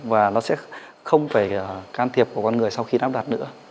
và nó sẽ không phải can thiệp của con người sau khi lắp đặt nữa